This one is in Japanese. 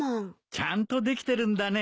ちゃんとできてるんだね。